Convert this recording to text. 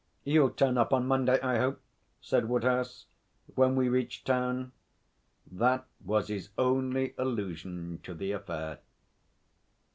'You'll turn up on Monday, I hope,' said Woodhouse, when we reached town. That was his only allusion to the affair.